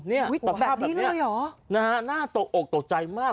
อุ๊ยตัวภาพแบบนี้เลยเหรอนะฮะหน้าตกอกตกใจมาก